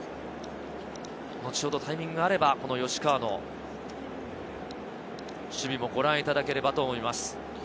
後ほどタイミングがあれば吉川の守備もご覧いただければと思います。